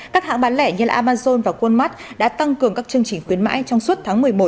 các hãng bán lẻ như amazon và walmart đã tăng cường các chương trình khuyến mãi trong suốt tháng một mươi một